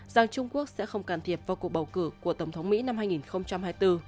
rằng trung quốc sẽ không can thiệp vào cuộc bầu cử của tổng thống mỹ năm hai nghìn hai mươi bốn